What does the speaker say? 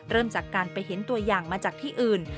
เริ่มจากการไปเห็นตัวอย่างมาจากที่อื่น